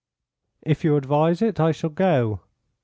"If you advise it I shall go."